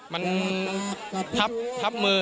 มันทับทับมือ